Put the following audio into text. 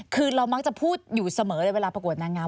คือเรามักจะพูดอยู่เสมอเลยเวลาประกวดนางงาม